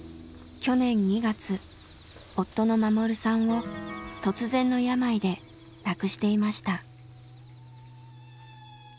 去年２月夫の守さんを突然の病で亡くしていました。